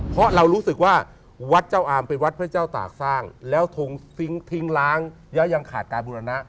เพราะเรารู้สึกว่าวัดเจ้าอามเป็นวัดพระเจ้าตากสร้างแล้วทงทิ้งทิ้งล้างแล้วยังขาดการบุรณะ